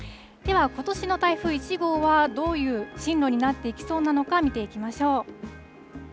では、ことしの台風１号は、どういう進路になっていきそうなのか、見ていきましょう。